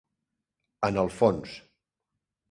En el fons